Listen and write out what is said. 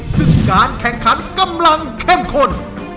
ซึ่งการแข่งขันกำลังเข้มข้น